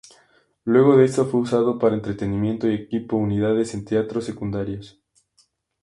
Luego de eso fue usado para entrenamiento y equipó unidades en teatros secundarios.